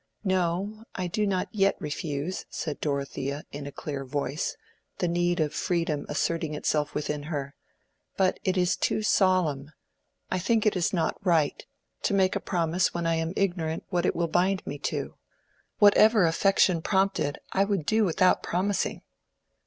"No, I do not yet refuse," said Dorothea, in a clear voice, the need of freedom asserting itself within her; "but it is too solemn—I think it is not right—to make a promise when I am ignorant what it will bind me to. Whatever affection prompted I would do without promising."